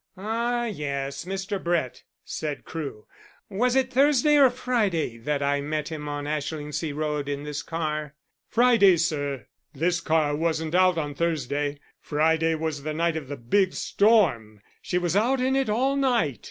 "Ah, yes; Mr. Brett," said Crewe. "Was it Thursday or Friday that I met him on the Ashlingsea road in this car?" "Friday, sir. This car wasn't out on Thursday. Friday was the night of the big storm. She was out in it all night.